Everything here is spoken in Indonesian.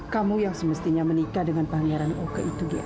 kamu yang semestinya menikah dengan pangeran oka itu diang